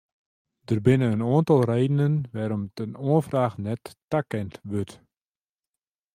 Der binne in oantal redenen wêrom't in oanfraach net takend wurdt.